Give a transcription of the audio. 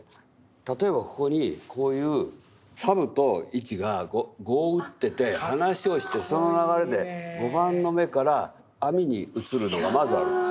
例えばここにこういう佐武と市が碁を打ってて話をしてその流れで碁盤の目から網に移るのがまずある。